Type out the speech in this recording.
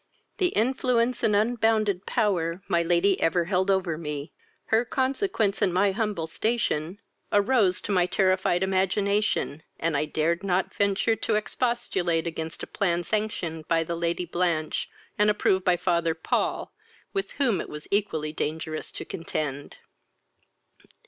The influence and unbounded power my lady ever held over me, her consequence, and my humble station, arose to my terrified imagination, and I dared not venture to expostulate against a plan sanctioned by the Lady Blanch, and approved by father Paul, with whom it was equally dangerous to contend.